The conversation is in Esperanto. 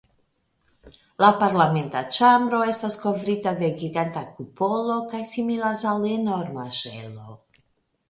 La parlamenta ĉambro estas kovrita de giganta kupolo kaj similas al enorma ŝelo.